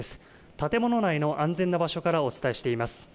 建物内の安全な場所からお伝えしています。